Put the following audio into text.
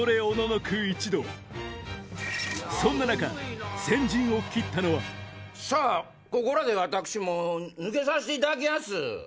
そんな中先陣を切ったのはさぁここらで私抜けさせていただきやす。